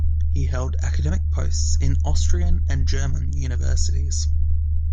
He held academic posts in Austrian and German universities.